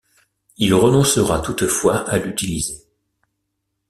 Il renoncera toutefois à l'utiliser.